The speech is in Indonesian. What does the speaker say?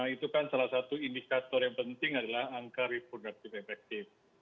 itu kan salah satu indikator yang penting adalah angka reproduktif efektif